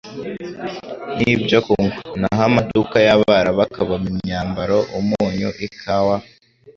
n' ibyo kunywa na ho amaduka y'Abarabu akabamo imyambaro, umunyu, ikawa